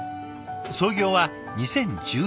創業は２０１７年。